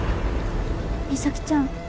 実咲ちゃん